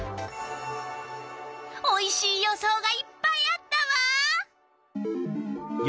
おいしい予想がいっぱいあったわ！